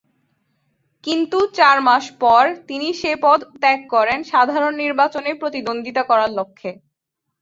কিন্তু চার মাস পর তিনি সে পদ ত্যাগ করেন সাধারণ নির্বাচনে প্রতিদ্বন্দ্বিতা করার লক্ষ্যে।